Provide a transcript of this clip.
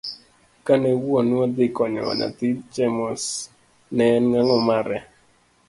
Kane wuonu odhi konyo nyathi Chemos, ne en ango' mare?